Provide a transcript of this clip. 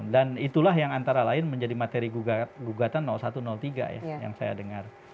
dan itulah yang antara lain menjadi materi gugatan satu tiga yang saya dengar